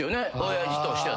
親父としては。